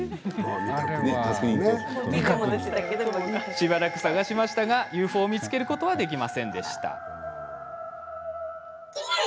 しばらく探しましたが、ＵＦＯを見つけることはできませんでした。